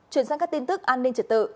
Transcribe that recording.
chuyển sang các tin tức an ninh trật tự